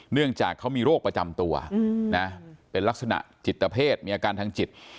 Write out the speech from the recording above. เนื่องจากเขามีโรคประจำตัวนะเป็นลักษณะจิตเพศมีอาการทางจิต